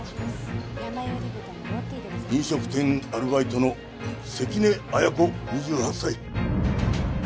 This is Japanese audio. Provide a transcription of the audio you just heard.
飲食店アルバイトの関根綾子２８歳。